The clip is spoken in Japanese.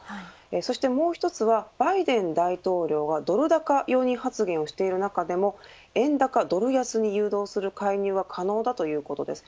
そしてもう１つはバイデン大統領はドル高容認発言をしている中でも円高ドル安に誘導する介入は可能だということです。